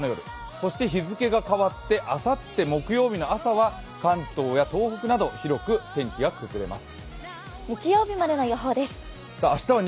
そして日付が変わってあさって木曜日の朝は関東や東北など広く天気が崩れます。